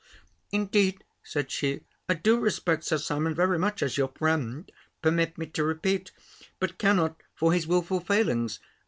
"Indeed," said she, "I do respect Sir Simon very much as your friend, permit me to repeat; but cannot for his wilful failings.